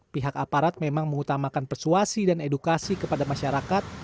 pihak aparat memang mengutamakan persuasi dan edukasi kepada masyarakat